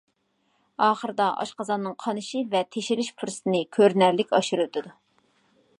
ئاخىرىدا ئاشقازاننىڭ قانىشى ۋە تېشىلىش پۇرسىتىنى كۆرۈنەرلىك ئاشۇرۇۋېتىدۇ.